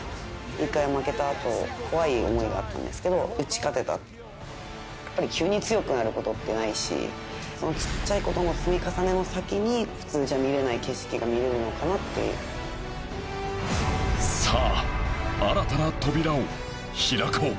１回負けたあと怖い思いがあったんですけど打ち勝てたやっぱり急に強くなることってないしちっちゃいことの積み重ねの先に普通じゃ見れない景色が見れるのかなっていうさあ新たな扉を開こう